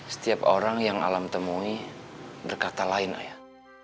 setiap orang yang alam temui berkata lain ayah